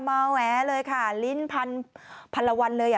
มาแหวเลยค่ะลิ้นพันละวันเลย